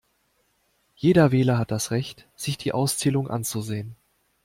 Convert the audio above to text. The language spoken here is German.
Jeder Wähler hat das Recht, sich die Auszählung anzusehen.